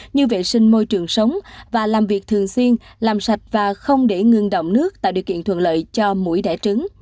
như vệ sinh môi trường sống và làm việc thường xuyên làm sạch và không để ngưng động nước tạo điều kiện thuận lợi cho mũi đẻ trứng